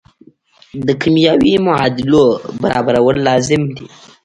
د کیمیاوي معادلو برابرول لازم دي.